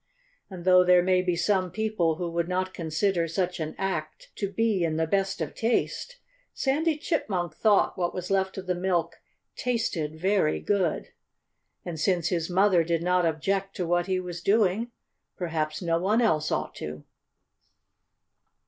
And though there may be some people who would not consider such an act to be in the best of taste, Sandy Chipmunk thought what was left of the milk tasted very good. And since his mother did not object to what he was doing, perhaps no one else ought to.